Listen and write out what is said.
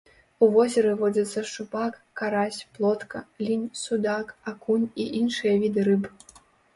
У возеры водзяцца шчупак, карась, плотка, лінь, судак, акунь і іншыя віды рыб.